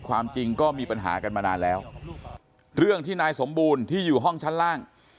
ความจริงก็มีปัญหากันมานานแล้วเรื่องที่นายสมบูรณ์ที่อยู่ห้องชั้นล่าง